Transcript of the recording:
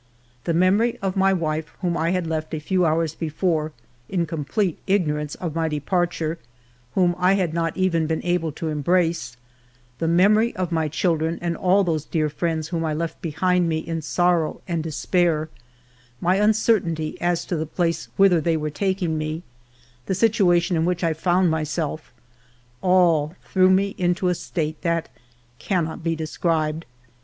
The memory of my wife, whom I had left a few hours before in complete ignorance of my departure, whom I had not even been able to embrace ; the memory of my children and all those dear friends whom I left behind me in sorrow and despair ; my uncertainty as to the place whither they were taking me ; the situation in which I found myself, — all threw me into a state that cannot be described.